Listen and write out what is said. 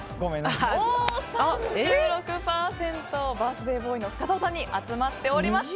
３６％、バースデーボーイの深澤さんに集まっております。